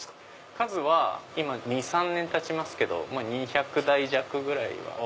数は２３年たちますけど２００台弱ぐらいは。